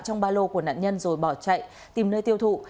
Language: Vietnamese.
trong ba lô của nạn nhân rồi bỏ chạy tìm nơi tiêu thụ